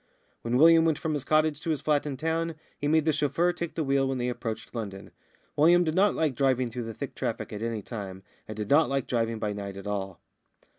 When William went from his cottage to his flat in town, he made the chauffeur take the wheel when they approached London. William did not like driving through thick traffic at any time, and did not like driving by night at all.